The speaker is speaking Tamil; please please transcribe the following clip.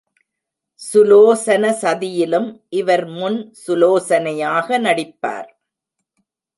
சுலோசன சதியிலும் இவர் முன் சுலோசனையாக நடிப்பார்.